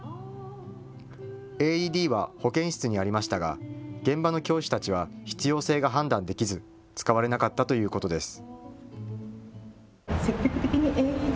ＡＥＤは保健室にありましたが現場の教師たちは必要性が判断できず使われなかったということです。